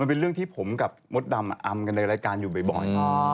มันเป็นเรื่องที่ผมกับมดดำอำกันในรายการอยู่บ่อย